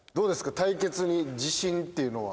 対決に自信っていうのは？